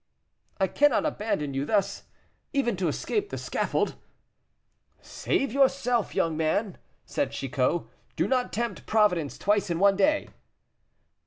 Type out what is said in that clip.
"I cannot abandon you thus, even to escape the scaffold." "Save yourself, young man," said Chicot; "do not tempt Providence twice in one day."